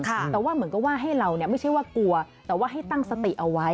แต่ว่าเหมือนกับว่าให้เราเนี่ยไม่ใช่ว่ากลัวแต่ว่าให้ตั้งสติเอาไว้